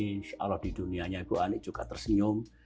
insya allah di dunianya ibu ani juga tersenyum